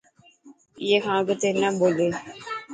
اي کان اگتي نه ٻولي.